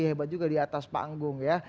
hebat juga di atas panggung ya